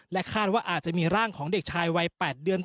คาดว่าอาจจะมีร่างของเด็กชายวัย๘เดือน